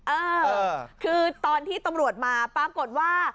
เออคือตอนที่ตำรวจมาปรากฏว่า